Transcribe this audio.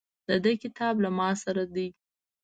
د ده کتاب له ماسره ده.